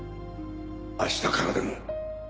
明日からでも。